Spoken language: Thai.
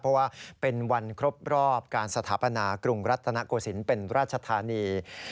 เพราะว่าเป็นวันครบรอบการสถาปนากรุงรัฐนโกศิลปเป็นราชธานี